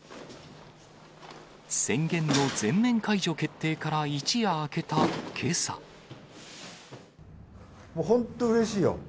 宣言の全面解除決定から一夜もう本当、うれしいよ。